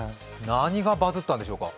何がバズったんでしょうか？